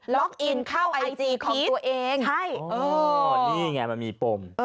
ล็อกอินเข้าไอจีพีชใช่โอ้โฮนี่ไงมันมีปม